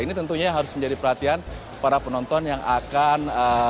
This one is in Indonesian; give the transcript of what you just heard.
ini tentunya harus menjadi perhatian para penonton yang akan